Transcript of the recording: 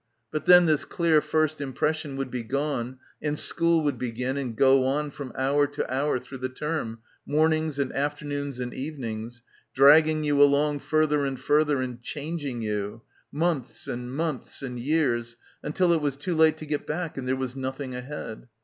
But then this clear first impression would be gone and school would begin and go on from hour to hour through the term, mornings and afternoons and evenings, dragging you along further and further and changing you, months and months and years until it was too late to get back and there was nothing ahead.